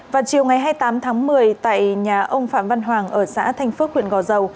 vào chiều ngày hai mươi tám tháng một mươi tại nhà ông phạm văn hoàng ở xã thanh phước huyện gò dầu